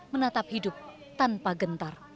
menatap hidup tanpa gentar